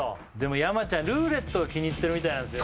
山ちゃんルーレットを気に入ってるみたいなんですよ